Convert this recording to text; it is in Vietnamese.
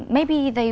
mà các bạn